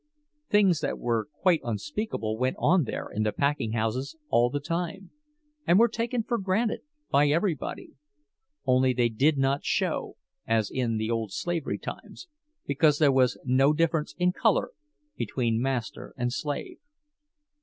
Things that were quite unspeakable went on there in the packing houses all the time, and were taken for granted by everybody; only they did not show, as in the old slavery times, because there was no difference in color between master and slave.